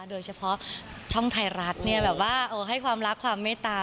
โดยเฉพาะช่องไทยรัฐเนี่ยแบบว่าให้ความรักความเมตตา